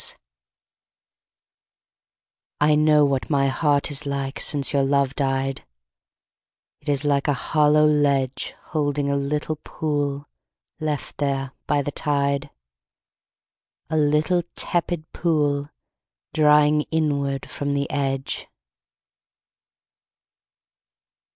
EBB I know what my heart is like Since your love died: It is like a hollow ledge Holding a little pool Left there by the tide, A little tepid pool, Drying inward from the edge.